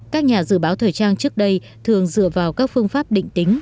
các nhà dự báo thời trang trước đây thường dựa vào các phương pháp định tính